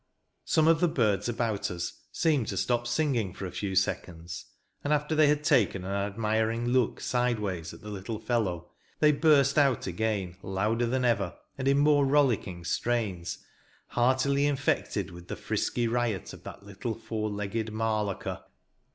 Some of the birds about us seemed to stop singing for a few seconds, and, after they had taken an admiring look sideway at the little fellow, they burst out again, louder than ever, and in more rollicking strains, heartily infected with the frisky riot of that little four legged mar locker.